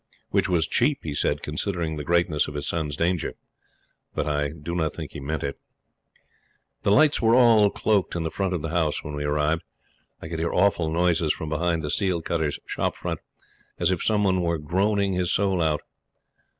Which was cheap, he said, considering the greatness of his son's danger; but I do not think he meant it. The lights were all cloaked in the front of the house when we arrived. I could hear awful noises from behind the seal cutter's shop front, as if some one were groaning his soul out.